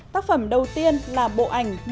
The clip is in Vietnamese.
tác phẩm đầu tiên là bộ ảnh